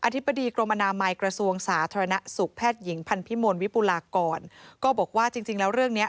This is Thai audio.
ธิบดีกรมอนามัยกระทรวงสาธารณสุขแพทย์หญิงพันธิมลวิปุลากรก็บอกว่าจริงจริงแล้วเรื่องเนี้ย